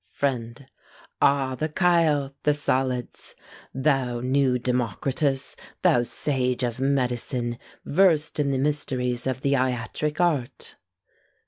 FRIEND. Ah! the chyle! the solids! Thou new Democritus! thou sage of medicine! Versed in the mysteries of the Iatric art!